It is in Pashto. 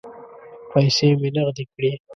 پیسې مې نغدې کړې.